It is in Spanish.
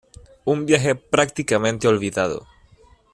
Un viaje prácticamente olvidado.